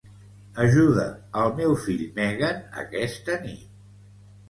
Ajuda el meu fill Megan aquesta nit.